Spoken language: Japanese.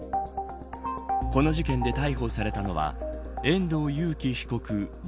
この事件で逮捕されたのは遠藤裕喜被告